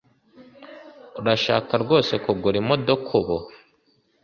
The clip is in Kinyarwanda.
Urashaka rwose kugura imodoka ubu